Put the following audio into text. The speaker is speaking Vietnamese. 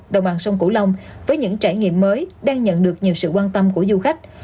đồng bằng sông cửu long với những trải nghiệm mới đang nhận được nhiều sự quan tâm của du khách